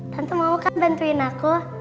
tentu mau kan bantuin aku